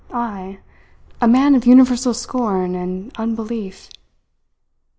I, a man of universal scorn and unbelief. .